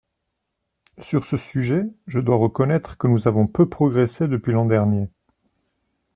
Sur ce sujet, je dois reconnaître que nous avons peu progressé depuis l’an dernier.